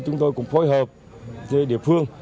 chúng tôi cũng phối hợp với địa phương